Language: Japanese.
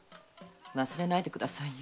忘れないでくださいよ。